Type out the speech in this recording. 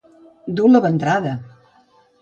Dur la ventrada.